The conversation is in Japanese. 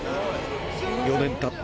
４年たった